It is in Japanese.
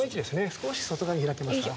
少し外側に開けますか。